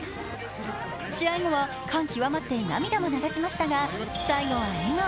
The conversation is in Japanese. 試合後は感極まって涙も流しましたが、最後は笑顔。